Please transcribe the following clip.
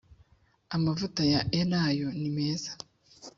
amavuta ya elayo nimeza.